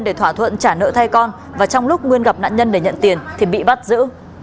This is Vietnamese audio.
để thỏa thuận trả nợ thay con và trong lúc nguyên gặp nạn nhân để nhận tiền thì bị bắt giữ